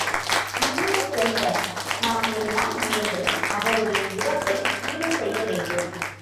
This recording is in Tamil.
இனிய செல்வ, நாமெல்லாம் முயன்று அவருடைய இழப்பை ஈடு செய்ய வேண்டும்.